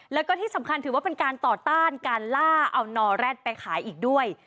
แล้วก็ที่สำคัญถือว่าเป็นการต่อต้านการล่าเอานอแร็ดไปขายอีกด้วย